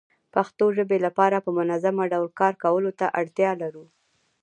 پښتو ژبې لپاره په منظمه ډول کار کولو ته اړتيا لرو